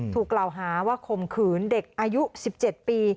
ถูกกล่าวหาว่าข่มขืนเด็กอายุ๑๗ปี